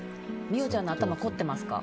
美桜ちゃんの頭こってますか？